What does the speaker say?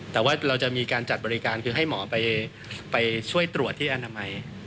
แต่ว่าเราจะมีการจัดบริการคือให้หมอไปช่วยตรวจที่อนามัย